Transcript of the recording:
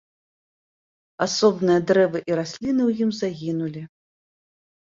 Асобныя дрэвы і расліны ў ім загінулі.